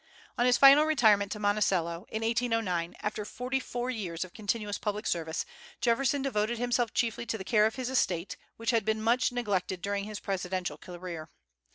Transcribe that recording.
On his final retirement to Monticello, in 1809, after forty four years of continuous public service, Jefferson devoted himself chiefly to the care of his estate, which had been much neglected during his presidential career.